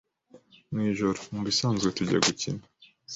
Mwijoro, mubisanzwe tujya gukina.